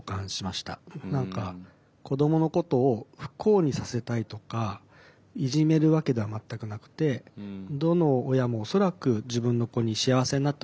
子どものことを不幸にさせたいとかいじめるわけでは全くなくてどの親も恐らく自分の子に幸せになってほしいって思っていて。